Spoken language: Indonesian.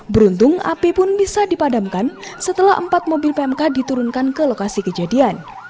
beruntung api pun bisa dipadamkan setelah empat mobil pmk diturunkan ke lokasi kejadian